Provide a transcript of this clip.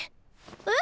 えっ？